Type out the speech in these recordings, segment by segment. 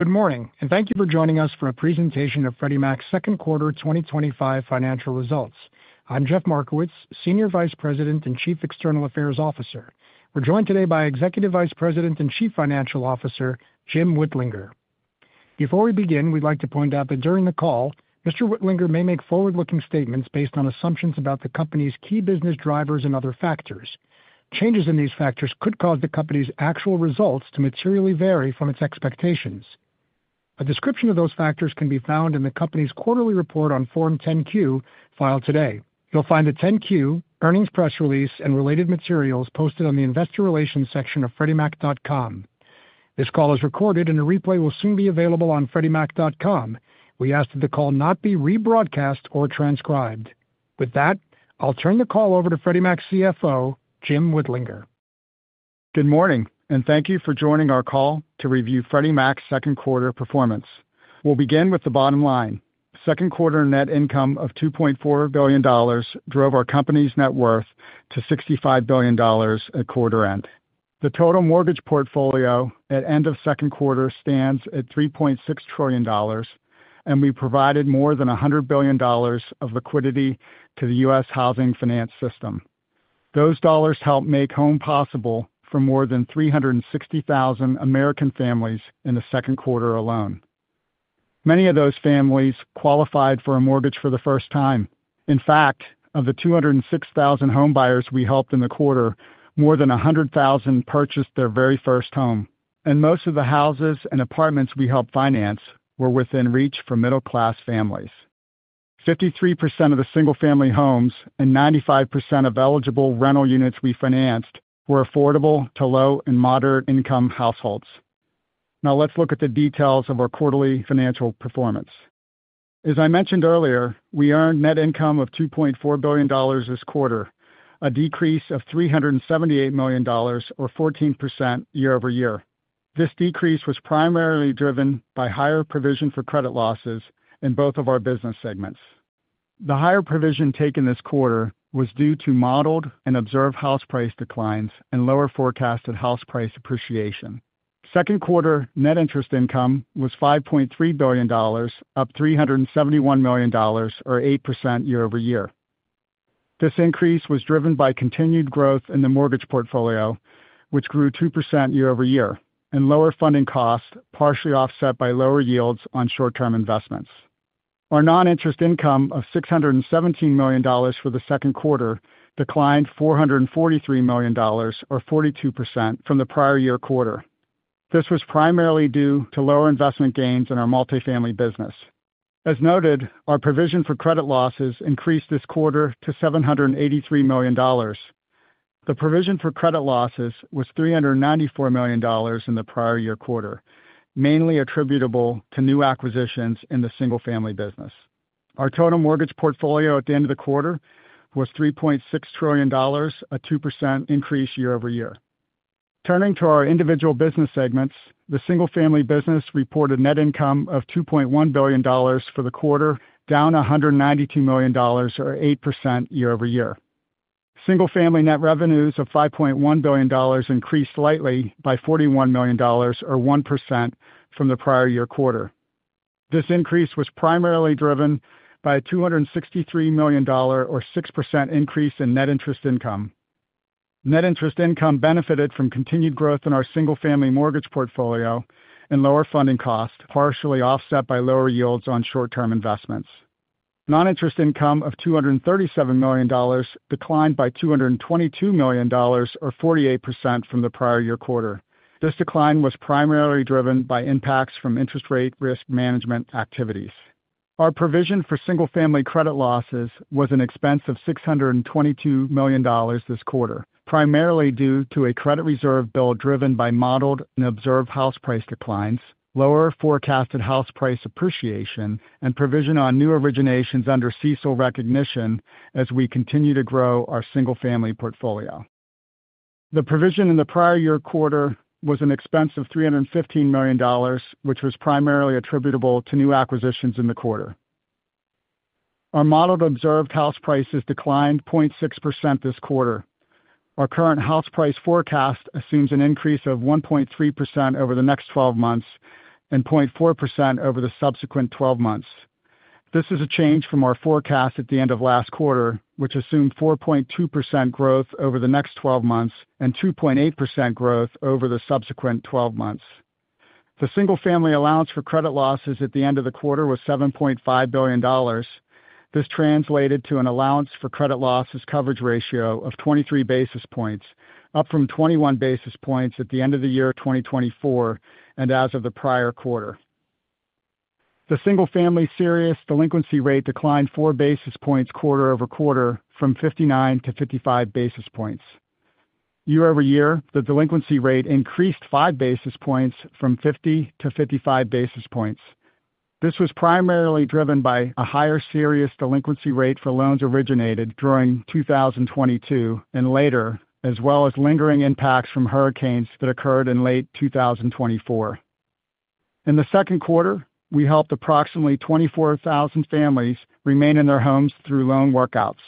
Good morning, and thank you for joining us for a presentation of Freddie Mac's second quarter 2025 financial results. I'm Jeff Markowitz, Senior Vice President and Chief External Affairs Officer. We're joined today by Executive Vice President and Chief Financial Officer James Whitlinger. Before we begin, we'd like to point out that during the call, Whitlinger may make forward-looking statements based on assumptions about the company's key business drivers and other factors. Changes in these factors could cause the company's actual results to materially vary from its expectations. A description of those factors can be found in the company's quarterly report on Form 10-Q filed today. You'll find the 10-Q earnings press release and related materials posted on the investor relations section of freddiemac.com. This call is recorded, and a replay will soon be available on freddiemac.com. We ask that the call not be rebroadcast or transcribed. With that, I'll turn the call over to Freddie Mac CFO, James Whitlinger. Good morning, and thank you for joining our call to review Freddie Mac's second quarter performance. We'll begin with the bottom line. Second quarter net income of $2.4 billion drove our company's net worth to $65 billion at quarter end. The total mortgage portfolio at end of second quarter stands at $3.6 trillion. We provided more than $100 billion of liquidity to the US housing finance system. Those dollars helped make home possible for more than 360,000 American families in the second quarter alone. Many of those families qualified for a mortgage for the first time. In fact, of the 206,000 homebuyers we helped in the quarter, more than 100,000 purchased their very first home. Most of the houses and apartments we helped finance were within reach for middle-class families. 53% of the single-family homes and 95% of eligible rental units we financed were affordable to low and moderate-income households. Now, let's look at the details of our quarterly financial performance. As I mentioned earlier, we earned net income of $2.4 billion this quarter, a decrease of $378 million, or 14% year-over-year. This decrease was primarily driven by higher provision for credit losses in both of our business segments. The higher provision taken this quarter was due to modeled and observed house price declines and lower forecasted house price appreciation. Second quarter net interest income was $5.3 billion, up $371 million, or 8% year-over-year. This increase was driven by continued growth in the mortgage portfolio, which grew 2% year-over-year, and lower funding costs partially offset by lower yields on short-term investments. Our non-interest income of $617 million for the second quarter declined $443 million, or 42%, from the prior year quarter. This was primarily due to lower investment gains in our multi-family business. As noted, our provision for credit losses increased this quarter to $783 million. The provision for credit losses was $394 million in the prior year quarter, mainly attributable to new acquisitions in the single-family business. Our total mortgage portfolio at the end of the quarter was $3.6 trillion, a 2% increase year-over-year. Turning to our individual business segments, the single-family business reported net income of $2.1 billion for the quarter, down $192 million, or 8% year-over-year. Single-family net revenues of $5.1 billion increased slightly by $41 million, or 1%, from the prior year quarter. This increase was primarily driven by a $263 million, or 6%, increase in net interest income. Net interest income benefited from continued growth in our single-family mortgage portfolio and lower funding costs, partially offset by lower yields on short-term investments. Non-interest income of $237 million declined by $222 million, or 48%, from the prior year quarter. This decline was primarily driven by impacts from interest rate risk management activities. Our provision for single-family credit losses was an expense of $622 million this quarter, primarily due to a credit reserve build driven by modeled and observed house price declines, lower forecasted house price appreciation, and provision on new originations under CECL recognition as we continue to grow our single-family portfolio. The provision in the prior year quarter was an expense of $315 million, which was primarily attributable to new acquisitions in the quarter. Our modeled observed house prices declined 0.6% this quarter. Our current house price forecast assumes an increase of 1.3% over the next 12 months and 0.4% over the subsequent 12 months. This is a change from our forecast at the end of last quarter, which assumed 4.2% growth over the next 12 months and 2.8% growth over the subsequent 12 months. The single-family allowance for credit losses at the end of the quarter was $7.5 billion. This translated to an allowance for credit losses coverage ratio of 23 basis points, up from 21 basis points at the end of the year 2024 and as of the prior quarter. The single-family serious delinquency rate declined 4 basis points quarter over quarter, from 59 to 55 basis points. Year-over-year, the delinquency rate increased 5 basis points from 50-55 basis points. This was primarily driven by a higher serious delinquency rate for loans originated during 2022 and later, as well as lingering impacts from hurricanes that occurred in late 2024. In the second quarter, we helped approximately 24,000 families remain in their homes through loan workouts.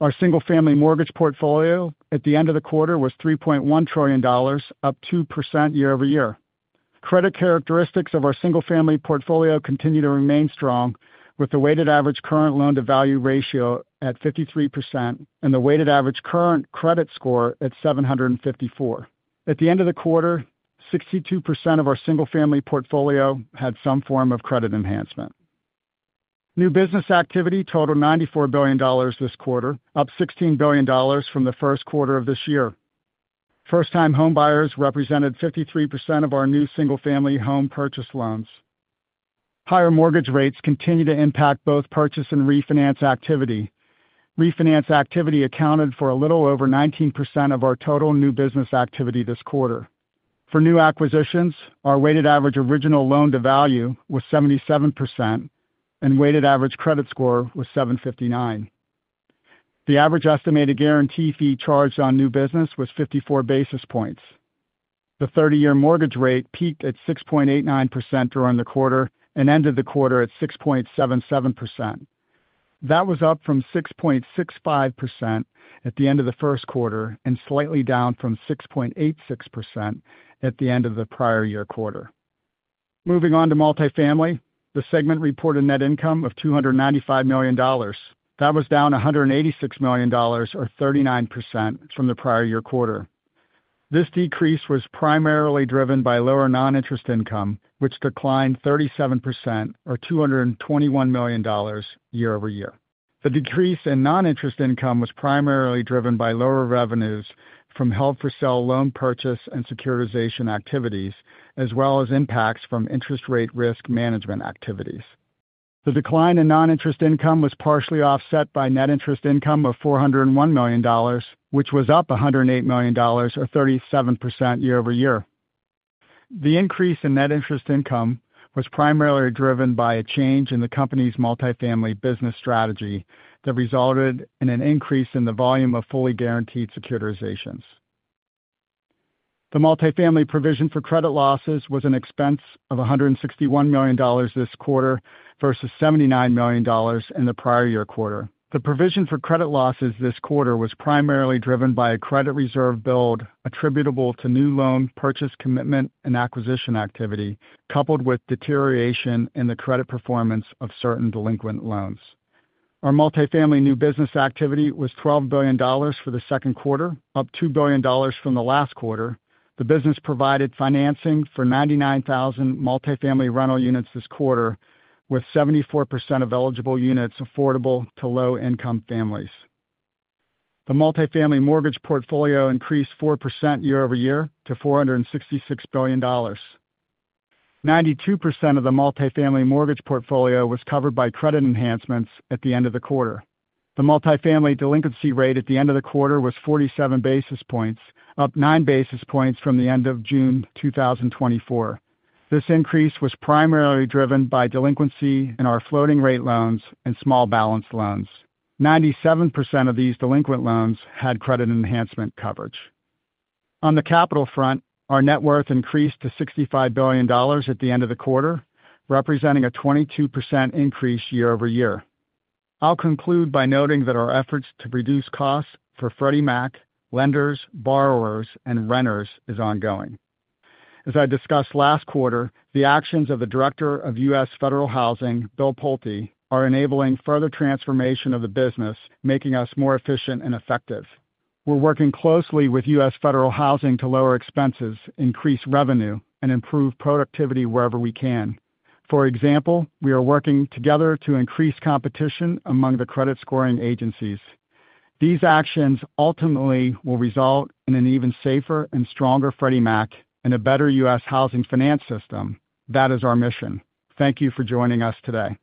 Our single-family mortgage portfolio at the end of the quarter was $3.1 trillion, up 2% year-over-year. Credit characteristics of our single-family portfolio continue to remain strong, with the weighted average current loan-to-value ratio at 53% and the weighted average current credit score at 754. At the end of the quarter, 62% of our single-family portfolio had some form of credit enhancement. New business activity totaled $94 billion this quarter, up $16 billion from the first quarter of this year. First-time homebuyers represented 53% of our new single-family home purchase loans. Higher mortgage rates continue to impact both purchase and refinance activity. Refinance activity accounted for a little over 19% of our total new business activity this quarter. For new acquisitions, our weighted average original loan-to-value was 77%, and weighted average credit score was 759. The average estimated guarantee fee charged on new business was 54 basis points. The 30-year mortgage rate peaked at 6.89% during the quarter and ended the quarter at 6.77%. That was up from 6.65% at the end of the first quarter and slightly down from 6.86% at the end of the prior year quarter. Moving on to multifamily, the segment reported net income of $295 million. That was down $186 million, or 39%, from the prior year quarter. This decrease was primarily driven by lower non-interest income, which declined 37%, or $221 million, year-over-year. The decrease in non-interest income was primarily driven by lower revenues from held-for-sale loan purchase and securitization activities, as well as impacts from interest rate risk management activities. The decline in non-interest income was partially offset by net interest income of $401 million, which was up $108 million, or 37% year-over-year. The increase in net interest income was primarily driven by a change in the company's multifamily business strategy that resulted in an increase in the volume of fully guaranteed securitizations. The multifamily provision for credit losses was an expense of $161 million this quarter versus $79 million in the prior year quarter. The provision for credit losses this quarter was primarily driven by a credit reserve bill attributable to new loan purchase commitment and acquisition activity, coupled with deterioration in the credit performance of certain delinquent loans. Our multifamily new business activity was $12 billion for the second quarter, up $2 billion from the last quarter. The business provided financing for 99,000 multifamily rental units this quarter, with 74% of eligible units affordable to low-income families. The multifamily mortgage portfolio increased 4% year-over-year to $466 billion. 92% of the multifamily mortgage portfolio was covered by credit enhancements at the end of the quarter. The multifamily delinquency rate at the end of the quarter was 47 basis points, up 9 basis points from the end of June 2024. This increase was primarily driven by delinquency in our floating-rate loans and small balance loans. 97% of these delinquent loans had credit enhancement coverage. On the capital front, our net worth increased to $65 billion at the end of the quarter, representing a 22% increase year-over-year. I'll conclude by noting that our efforts to reduce costs for Freddie Mac lenders, borrowers, and renters are ongoing. As I discussed last quarter, the actions of the Director of US Federal Housing, Bill Poulte, are enabling further transformation of the business, making us more efficient and effective. We're working closely with US Federal Housing to lower expenses, increase revenue, and improve productivity wherever we can. For example, we are working together to increase competition among the credit-scoring agencies. These actions ultimately will result in an even safer and stronger Freddie Mac and a better US housing finance system. That is our mission. Thank you for joining us today.